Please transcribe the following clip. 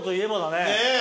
ねえ。